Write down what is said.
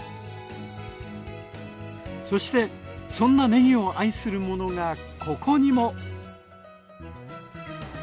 そしてそんなねぎを愛する者がここにも！